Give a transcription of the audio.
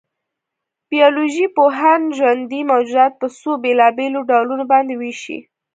بایولوژيپوهان ژوندي موجودات په څو بېلابېلو ډولونو باندې وېشي.